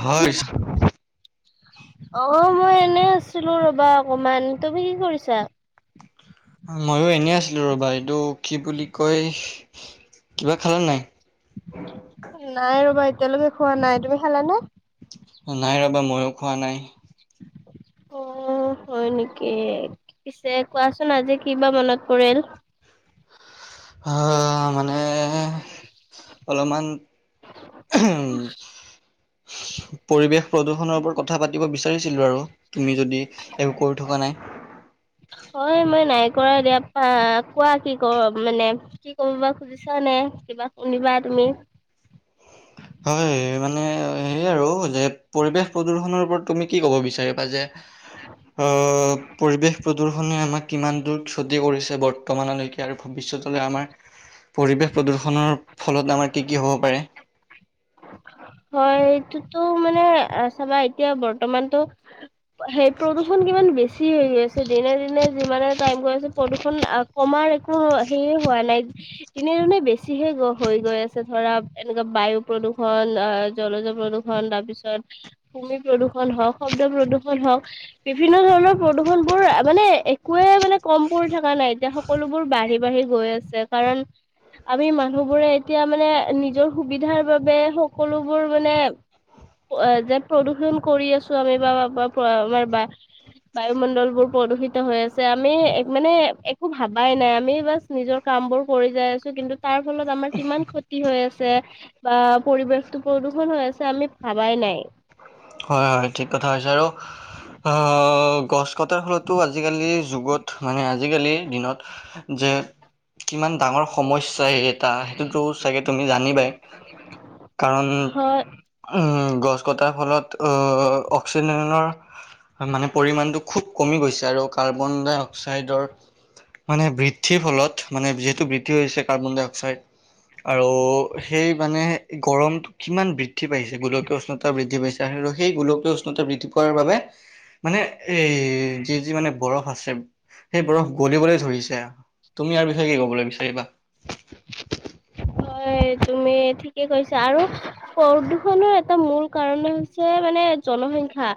হয়। অ মই এনে আছিলো ৰবা অকমান তুমি কি কৰিছা। ময়ো এনেই আছিলো ৰবা ইয়াত কিন্তু কি বুলি কয় কিবা খালা নাই। নাই ৰবা এতিয়ালৈকে খোৱা নাই তুমি খালানে? নাই ৰবা মইও খোৱা নাই অ' হয় নেকি পিছে কোৱাচোন আজি কি বা মনত পৰিল অ' মানে অলপমান উম পৰিৱেশ প্ৰদূষণৰ ওপৰত কথা পাতিব বিচাৰিছিলোঁ আৰু তুমি যদি একো কৰি থকা নাই [inaudible] হয় মই নাই কৰা দিয়া পা কোৱা কি ক মানে কি কব বা খুজিছা নে কিবা শুনিবা তুমি [unintelligible] হয় মানে সেই আৰু যে পৰিৱেশ প্ৰদূষনৰ ওপৰত তুমি কি ক'ব বিচাৰিবা যে অ', পৰিৱেশ প্ৰৰ্দূষনে আমাক কিমান দূৰ কৰিছে বৰ্তমানলৈকে আৰু ভৱিষ্যতলৈ আমাৰ পৰিৱেশ প্ৰৰ্দূষণৰ ফলত আমাৰ কি কি হ'ব পাৰে হয় এইটোতো মানে চাবা এতিয়া বৰ্তমানতো সেই প্ৰৰ্দূষণ কিমান বেছি হেৰি আছে দিনে দিনে যিমানে টাইম গৈ আছে প্ৰদূষণ কমাৰ একো সেয়ে হোৱা নাই দিনে দিনে বেছিহে হৈ গৈ আছে ধৰা এনেকুৱা বায়ু প্ৰদূষণ অ' জলজ প্ৰদূৰষণ তাৰ পিছত ভূমি প্ৰদূষণ হওঁক শব্দ প্ৰদূষণ হওঁক বিভিন্ন ধৰণৰ প্ৰদূষণ বোৰ মানে একোয়ে মানে কম পৰি থকা নাই এতিয়া সকলোবোৰ ব বাঢ়ি বাঢ়ি গৈ আছে কাৰণ আমি মানুহবোৰে এতিয়া মানে নিজৰ সুবিধাৰ বাবে সকলোবোৰ মানে যে প্ৰদূষণ কৰি আছো আমি বা আমাৰ বা বায়ুমণ্ডল বোৰ প্ৰদূষিত হৈ আছে আমি মানে একো ভাবাই নাই আমি বাছ নিজৰ কাৰ কাম বোৰ কৰি যাই আছো কিন্তু তাৰ ফলত আমাৰ কিমান ক্ষতি হৈ আছে বা পৰিৱেশ প্ৰদূষণ হৈ আছে আমি ভাবাই নাই হয় হয় ঠিক কথা হৈছে আৰু অ' গছ কটাৰ ফলতো আজিকালি যুগত মানে আজিকালিৰ দিনত যে কিমান ডাঙৰ সমস্যা এটা সেইটোতো চাগে তুমি জানিবাই কাৰণ হয় উম গছ কটাৰ ফলত অক্সিজেনৰ মানে পৰিমাণটো খুব কমি গৈছে আৰু কাৰ্বন ডাই অক্সাইডৰ মানে বৃদ্ধিৰ ফলত মানে যিহেতু বৃদ্ধি হৈছে কাৰ্বন ডাই অক্সাইড আৰু সেই মানে গৰম কিমান বৃদ্ধি পাইছে গোলকীয় উষ্ণতা বৃদ্ধি পাইছে সেই গোলকীয় উষ্ণতা বৃদ্ধি পোৱাৰ বাবে মানে এই যি যি মানে বৰফ আছে সেই বৰফ গলিবলৈ ধৰিছে তুমি ইয়াৰ বিষয়ে কি কবলৈ বিচাৰিবা হয় তুমি ঠিকে কৈছা আৰু প্ৰদূষনৰৰ এটা মূল কাৰণ হৈছে মানে জনসংখ্যা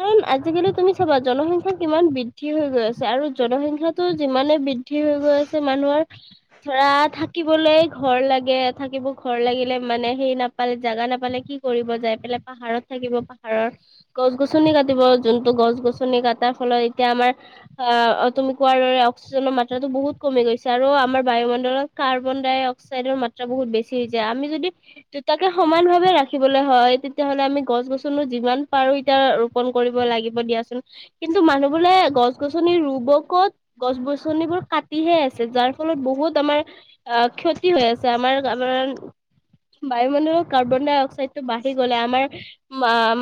কাৰণ আজিকালি তুমি চাবা জনসংখ্যাৰ কিমান বৃদ্ধি হৈ গৈ আছে আৰু জনসংখ্যাটো যিমানে বৃদ্ধি বেছি হৈ গৈ আছে মানুহৰ ধৰা থাকিবলৈ ঘৰ লাগে থাকিব ঘৰ লাগিলে মানে সেই নাপালে জাগা নাপালে কি কৰিব যায় পালে পাহাৰত থাকিব পাহাৰৰ গছ গছনি কাটিব যোনটো গছ গছনি কাটাৰ ফলত এতিয়া আমাৰ অ', তুমি কোৱাৰ দৰে অক্সিজেনৰ মাত্ৰাতো বহুত কমি গৈছে আৰু আমাৰ বায়ুমণ্ডলত কাৰ্বন ডাই অক্সাইড মাত্ৰা বহুত বেছি হৈছে আমি যদি দুইটাকে সমান ভাৱে ৰাখিবলৈ হয় তেতিয়াহলে আমি গছ গছনি যিমান পাৰো এতিয়া ৰোপন কৰিব লাগিব দিয়াচোন কিন্তু মানুহ বোলে গছ গছনিৰ ৰুব কত গছ গছনিবোৰ কাটিহে আছে যাৰ ফলত বহুত আমাৰ হৈ আছে আমাৰ আমাৰ বায়ু মানুহৰ কাৰ্বন ডাই অক্সাইডটো বাঢ়ি গলে আমাৰ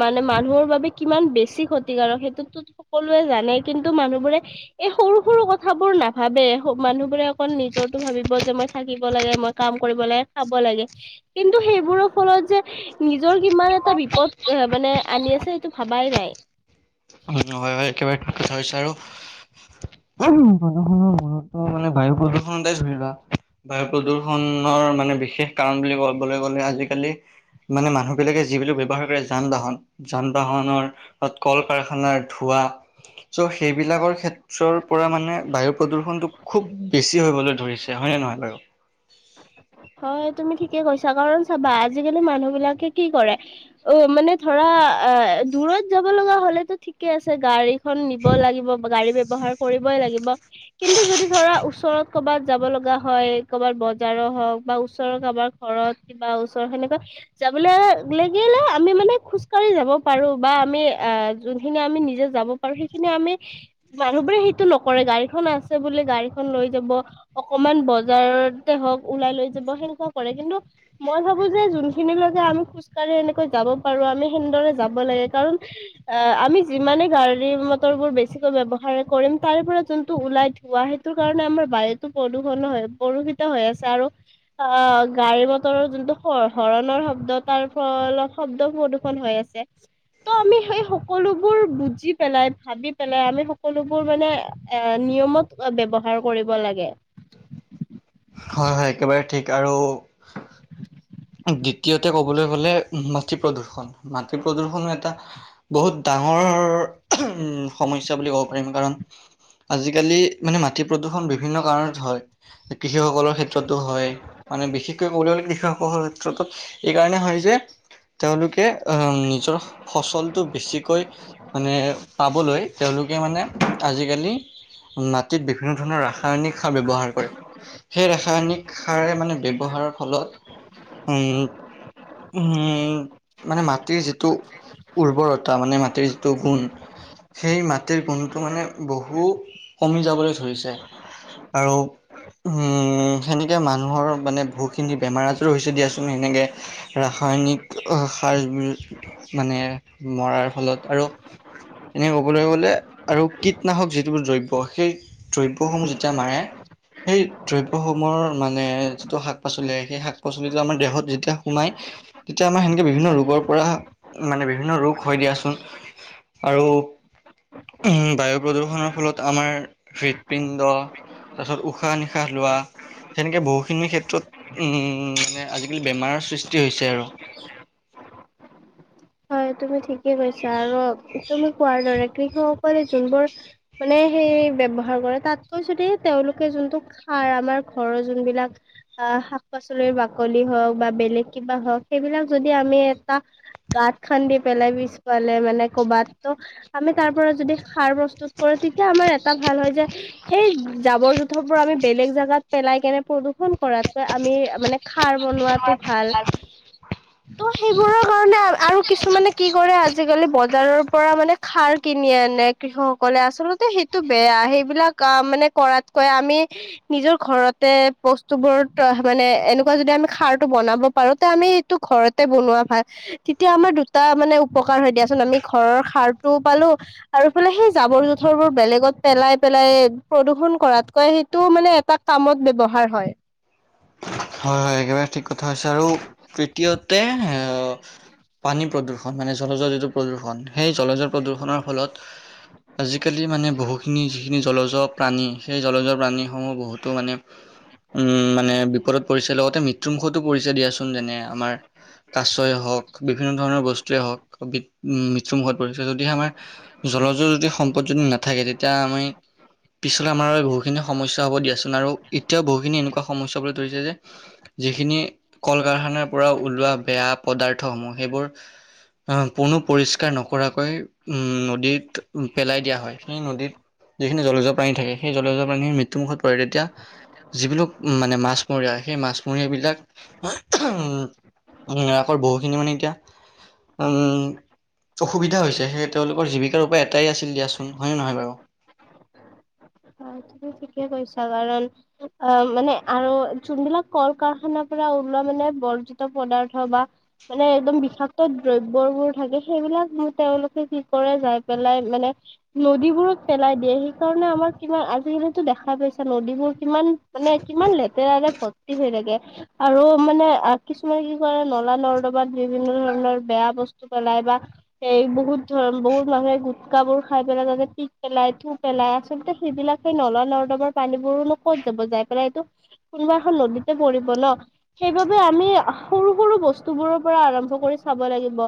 মানে মানুহৰ বাবে কিমান বেছি ক্ষতিকাৰক সেইটো সকলোৱে জানে কিন্তু মানুহ বোৰে এই সৰু সৰু কথাবোৰ নাভাবে ভাবে মানুহ বোৰে অকল নিজৰো ভাবিব যে মই থাকিল কাম কৰিব লাগে খাব লাগে কিন্তু সেইবোৰৰ ফলত যে নিজৰ কিমান এটা বিপদ এ মানে আনি আছে সেইটো ভাবাই নাই। হয় হয় হয়। একেবাৰে কথা হৈছে আৰু উহুম প্ৰদূষণৰ গুৰত্ব মানে বায়ু প্ৰদূষণতে ধৰি লোৱা। বায়ু প্ৰদূৰষণৰ মানে বিশেষ কাৰণ বুলি ক'বলৈ গ'লে আজিকালি মানে মানুহ বিলাকে যিবোৰ ব্যয়ৱহাৰ কৰে যান বাহন, যান বাহনৰ কল কাৰ আঙাৰ থোৱা। চ' সেইবিলাকৰ ক্ষেত্ৰৰ পৰা মানে বায়ু প্ৰদূৰ্ষণটো খুব বেছি হবলৈ ধৰিছে হয়ন নে নহয় বাৰু? হয় তুমি ঠিকে কৈছা, কাৰণ চাবা আজিকালি মানুহ বিলাকে কি কৰে ও মানে ধ ধৰা‌ এ দূৰৈত যাব লগা হ'লেতো ঠিকে আছে, গাড়ীখন নিব লাগিব গাড়ীবে ব্যৱহাৰ কৰিবই লাগিব কিন্তু যদি ধৰা ওচৰত ক'বাত যাব লগা হয়, কবাত বজাৰত হওঁক বা ওচৰৰ কাৰবাৰ ঘৰত কিবা ওচৰৰ সেনেকুৱা যাবলে লাগিলে আমি মানে খোঢ়ি যাব পাৰো বা আমি এ যোনখিনি আমি নিজে যাব পাৰো সেইখিনি আমি মানুহবোৰে সেইটো নকৰে, গাড়ীখন আছে বুলি গাড়ীখন লৈ যাব অকমান বজাৰতে হওঁক ওলাই লৈ যাব, সেনেকুৱা কৰে। কিন্তু মই ভাবো যে যোনখিনিলৈকে আমি খোজ-কাঢ়ি এনেকৈ যাব পাৰো। ত' আমি হেনেদৰে যাব লাগে, কাৰণ আ-আমি যিমানেই গাড়ী মটৰবোৰ বেছিকৈ ব্যৱহাৰে কৰিম তাৰে পৰা যোনটো ওলাই ধোৱা, সেইটো কাৰণে আমাৰ বায়ুতো প্ৰদূষণো প্ৰদুষিত হৈ আছে। আৰু অ' গাড়ী-মটৰৰ যোনটো শ-শৰণৰ শব্দ, তাৰ ফলত শব্দ প্ৰদূষণ হৈ আছে। ত' আমি সেই সকলোবোৰ বুজি পেলাই ভাবি, পেলাই। আমি সকলোবোৰ মানে এ নিয়মত ব্যৱহাৰ কৰিব লাগে। [unintelligible] হয় হয়, একেবাৰে ঠিক আৰু দ্বিতীয়তে ক'বলৈ গ'লে, মাটি প্ৰদূৰ্ষণ, মাটি প্ৰদূৰ্ষণো এটা বহুত ডাঙৰ উম সমস্যা বুলি কব পাৰিম। কাৰণ, আজিকালি মানে মাটি প্ৰদূষণ বিভিন্ন কাৰণত হয়, কৃষসকলৰ ক্ষেত্ৰতো হয়। মানে বিশেষকৈ ক কৃষসকলৰ ক্ষেত্ৰতত এই কাৰণে হয় যে, তেওঁলোকে আ' নিজৰ ফচলটো বেছিকৈ মানে পাবলৈ তেওঁলোকে মানে আজিকালি মাটিত বিভিন্ন ধৰণৰ ৰাসায়নিকসাৰ ব্যৱহাৰ কৰে। সেই ৰাসায়নিকসাৰে মানে ব্যৱহাৰৰ ফলত, উম। উম, মানে মাটিৰ যিটো উৰ্বৰত তা মানে মাটিৰ যিটো গুণ। সেই মাটিৰ গুণটো মানে বহু কমি যাবলৈ ধৰিছে। আৰু, উম, সেনেকে মানুহৰো মানে বহুখিনি বেমাৰ-আজাৰো হৈছে দিয়াচোন সেনেকে। ৰাসায়নিক সাৰবোৰ মানে মৰাৰ ফলত। আৰু, এনে ক'বলৈ গলে আৰু কীটনাশক যিটোৰ দ্ৰব্য সেই দ্ৰব্যসমূহ যেতিয়া মাৰে সেই দ্ৰব্যসমূহৰ মানে যিটো শাক পাচলি আহে সেই শাক পাচলিটো আমাৰ দেহত যেতিয়া সোমাই তেতিয়া আমাৰ সেনেকে বিভিন্ন ৰোগৰ পৰা মানে বিভিন্ন ৰোগ হয় দিয়াচোন আৰু বায়ু প্ৰদূৰ্ষনৰৰ ফলত আমাৰ হৃদপিণ্ড তাৰ পিছত উশাহ নিশাহ লোৱা সেনেকে বহুখিনি ক্ষেত্ৰত উম মানে আজিকালি বেমাৰৰ সৃষ্টি সষ্ট হৈছে আৰু হয় তুমি ঠিকে কৈছা আৰু তুমি কোৱাৰ দৰে কৃষকসকলে যোনবোৰ মানে সেই ব্যৱহাৰ কৰে তাতকৈ যদি তেওঁলোকে যোনটো খাৰ আমাৰ ঘৰৰ যোনবিলাক আহ শাক পাচলিৰ বাকলি হওক বা বেলেগ কিবা হওঁক সেইবিলাক যদি আমি এটা গাত খান্ দি পেলাই পিছ পালে মানে কৰ'বাত তো আমি তাৰ পৰা যদি সাৰ প্ৰস্তুত কৰি তেতিয়া আমাৰ এটা ভাল হয় যে সেই জাবৰ য পৰা আমি বেলেগ জেগাত পেলাই কেনে প্ৰদূষণ কৰাতকৈ আমি মানে খাৰ বনোৱাটো ভাল ত' সেইবোৰৰ কাৰণে আৰু কিছুমানে কি কৰে আজিকালি বজাৰৰ পৰা মানে খাৰ কিনি আনে কৃষক সকলে আচলতে বেয়া সেইবিলাক মানে কৰাতকৈ আমি নিজৰ ঘৰতে বস্তু বোৰ মানে এনেকুৱা যদি আমি খাৰটো বনাব পাৰো তে আমি এইটো ঘৰতে বনোৱা ভাল তেতিয়া আমাৰ দুটা মানে উপকাৰ হয় দিয়াচোন আমি ঘৰৰ সাৰ তো পালো আৰুফালে সেই জাৱৰ জোঁথৰ বোৰ বেলেগ ত পেলাই পেলাই প্ৰদূষন কৰাতকৈ সেইটো মানে এটা কামত ব্যয়ৱহাৰ হয় হয় হয় একেবাৰে ঠিক কথা হৈছে আৰু তৃতীয়তে এ পানী প্ৰদূৰষণ মানে জলজৰ যটো প্ৰদূষণ সেই জলজৰ প্ৰদূৰষনৰৰ ফলত আজিকালি মানে বহুখিনি যি জলজ প্ৰাণী সেই জলজৰ প্ৰাণীসমূহ বহুতো মানে উম মানে বিপদত পৰিছে লগতে মৃত্যুমুখতো পৰিছে দিয়াচোন যেনে আমাৰ কাছয়ে হওঁক বিভিন্ন ধৰণৰ বস্তুৱে হওঁক বৃত মৃত্যুমুখত পৰিছে যদিহে আমাৰ জলজৰ যদি সম্পদ যদি নাথাকে তেতিয়া আমি পিছলৈ আমাৰে বহুখিনি সমস্যা হ'ব দিয়াচো ন আৰু এতিয়াও বহুখিনি এনেকুৱা সমস্যা হ'বলৈ ধৰিছে যে যিখিনি কল কাৰখানাৰ পৰা ওলোৱা বেয়া পদাৰ্থসমূহ সেইবোৰ অহ কোনো পৰিষ্কাৰ নকৰাকৈ উম নদীত পেলাই দিয়া হয়। সেই নদীত যিখিনি জলজীয় প্ৰাণী থাকে সেই জলজীয় প্ৰাণী খিনি মৃত্যুমুখত পৰে তেতিয়া যিবিলোক মানে মাছমৰীয়াই সেই মাছমৰীয়া বিলাক উমহ, উম আকৰ বহুখিনি মানে এতিয়া উম অসুবিধা হৈছে। সেই তেওঁলোকৰ জীৱিকাৰ উপায় এটাই আছিল দিয়াচোন, হয়নে নহয় বাৰু? [inaudible] হয় তুমি ঠিকে কৈছা। কাৰণ অ মানে আৰু যোনবিলাক কল কাৰখানাৰ পৰা ওলো মানে বৰ্জিত পদাৰ্থ বা মানে একদম বিষাক্ত দ্ৰব্যবোৰ থাকে সেইবিলাক তেওঁলোকে কি কৰে যাই পেলাই মানে নদীবোৰত পেলাই দিয়ে সেইকাৰণে আমাৰ কিমান আ জিকালিটো দেখা পাইছা নদীবোৰ কিমান মানে কিমান লেতেৰাৰে ভৰ্তি হৈ থাকে আৰু মানে আ কিছুমানে কি কৰে নলা নৰ্দমাত বিভিন্ন ধৰণৰ বেয়া বস্তু পেলাই বা সেই বহুত ধৰ বহুত মানুহে গুতকাবোৰ খাই পেলাই তাতে পিক পেলাই থু পেলাই আচলতে সেইবিলাক সেই নলা নৰ্দমাৰ পানীবোৰোনো ক'ত যাব যাই পেলাই এইটো কোনোবা এখন নদীতে পৰিব ন'। সেইবাবে আমি আহ সৰু সৰু বস্তুবোৰৰ পৰা আৰম্ভ কৰি চাব লাগিব।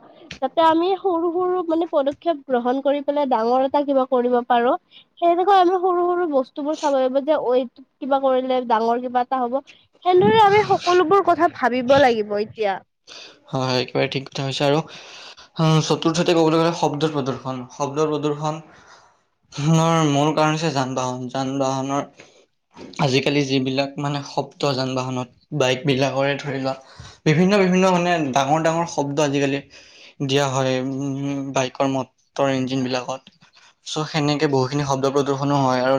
যাতে আমি সৰু বোৰো মানে পদক্ষেপ গ্ৰহণ কৰি পেলাই ডাঙৰ এটা কিবা কৰিব পাৰোঁ। সেনেকৈ আমি সৰু সৰু বস্তুবোৰ চাব লাগিব যে ঐত কিবা কৰিলে ডাঙৰ কিবা এটা হ'ব। সেনেদৰে আমি সকলোবোৰ কথা ভাবিব লাগিব এতিয়া। হয় হয় একেবাৰে ঠিক কথা হৈছে আৰু উ চতুৰ্থতে ক'বলৈ গ'লে শব্দৰ প্ৰদৰ্শন শব্দ ৰ মূল কাৰণ হৈছে যান বাহন যান বাহনৰ। আজিকালি যিবিলাক মানে শব্দ যান বাহনত বাইক বিলাকৰে ধৰি লোৱা বিভিন্ন, বিভিন্ন মানে, ডাঙৰ ডাঙৰ শব্দ আজিকালি দিয়া হয় উ বাইকৰ মটৰ ইঞ্জিন বিলাকত। চ সেনেকে বহুখিনি শব্দ প্ৰদৰ্শনো হয় আৰু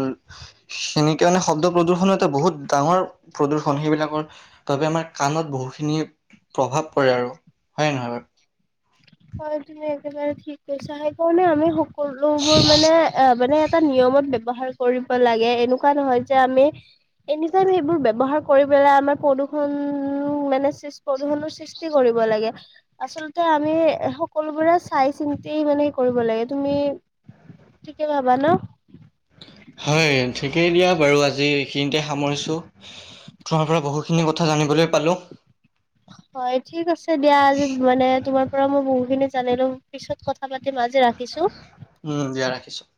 সেনেকে মানে শব্দ প্ৰদৰ্শনো এটা বহুত, ডাঙৰ প্ৰদূ্ষণ সেইবিলাকৰ বাবে আমাৰ কাণত বহুখিনি প্ৰভাৱ, কৰে আৰু হয়ে নহয় বাৰু হয় তুমি একেবাৰে ঠিকৈছা হেকাৰ নে আমি সকলো। সকলো বোৰ মানে অ মানে এটা নিয়মত ব্যৱহাৰ কৰিব লাগে এনেকুৱা নহয় যে আমি এনি টাইম সেইবোৰ ব্যবহাৰ কৰি পেলাই আমাৰ প্ৰদূষণ, উম মানে প্ৰদূষণৰ সৃষ্টি কৰিব লাগে আচলতে আমি, সকলোবোৰে চাই চিন্তি মানে কৰিব লাগে তুমি, ঠিকে ভাবা ন, হয় ঠিকেই দিয়া বাৰু আজি, আজি এইখিনিতে সামৰিছো তোমাৰ পৰা বহুখিনি কথা জানিবলৈ পালো। হয় ঠিক আছে দিয়া আজি মানে তোমাৰ। পৰা মই বহুখিনি জানিলো পিছত কথা পাতি আজি ৰাখিছোঁ। উম দিয়া ৰখিছোঁ।